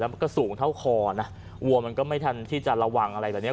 มันก็สูงเท่าคอนะวัวมันก็ไม่ทันที่จะระวังอะไรแบบนี้